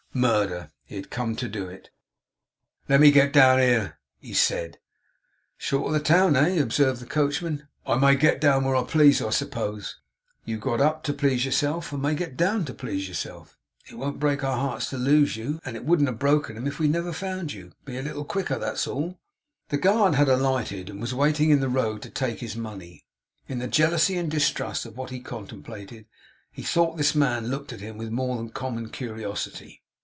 Murder. He had come to do it. 'Let me get down here' he said 'Short of the town, eh!' observed the coachman. 'I may get down where I please, I suppose?' 'You got up to please yourself, and may get down to please yourself. It won't break our hearts to lose you, and it wouldn't have broken 'em if we'd never found you. Be a little quicker. That's all.' The guard had alighted, and was waiting in the road to take his money. In the jealousy and distrust of what he contemplated, he thought this man looked at him with more than common curiosity.